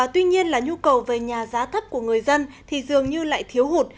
tuy nhiên là nhu cầu về nhà giá thấp của người dân thì dường như lại thiếu hụt